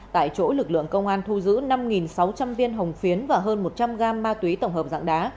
tại chỗ lực lượng công an thu giữ năm sáu trăm linh viên hồng phiến và hơn một trăm linh gram ma túy tổng hợp dạng đá